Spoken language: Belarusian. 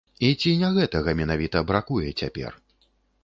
І ці не гэтага менавіта бракуе цяпер?